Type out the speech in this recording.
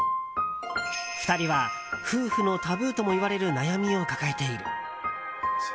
２人は夫婦のタブーともいわれる悩みを抱えている。